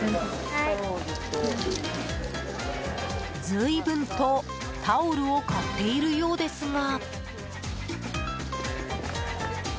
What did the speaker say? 随分とタオルを買っているようですが。